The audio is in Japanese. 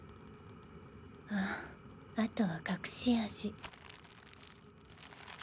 ハァあとは隠し味。